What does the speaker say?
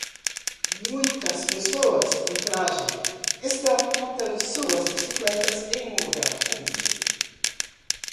Muitas pessoas em traje estão montando suas bicicletas em um lugar público